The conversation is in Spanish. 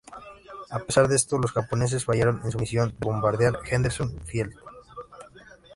A pesar de esto, los japoneses fallaron en su misión de bombardear Henderson Field.